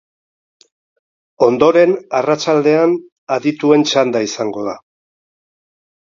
Ondoren, arratsaldean, adituen txanda izango da.